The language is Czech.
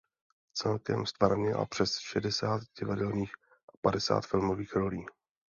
Celkem ztvárnila přes šedesát divadelních a padesát filmových rolí.